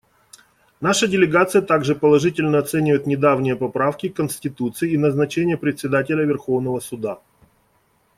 Наша делегация также положительно оценивает недавние поправки к Конституции и назначение Председателя Верховного суда.